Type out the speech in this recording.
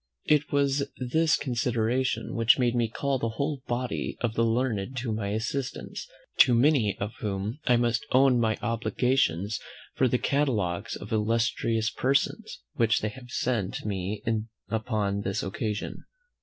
It was this consideration which made me call the whole body of the learned to my assistance; to many of whom I must own my obligations for the catalogues of illustrious persons which they have sent me in upon this occasion.